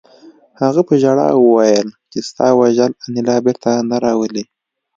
هغه په ژړا وویل چې ستا وژل انیلا بېرته نه راولي